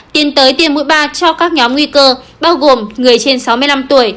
tiến tới tiêm mũi ba cho các nhóm nguy cơ bao gồm người trên sáu mươi năm tuổi